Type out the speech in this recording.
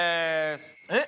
えっ！